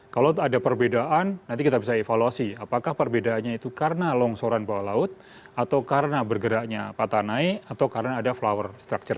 kalau ada perbedaan nanti kita bisa evaluasi apakah perbedaannya itu karena longsoran bawah laut atau karena bergeraknya patah naik atau karena ada flower structure